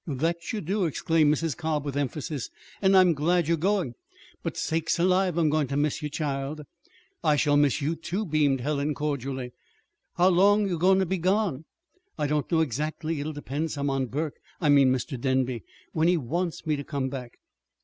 "That you do!" exclaimed Mrs. Cobb, with emphasis. "And I'm glad you're goin'. But, sakes alive, I'm goin' ter miss ye, child!" "I shall miss you, too," beamed Helen cordially. "How long you goin' ter be gone?" "I don't know, exactly. It'll depend, some, on Burke I mean Mr. Denby when he wants me to come back."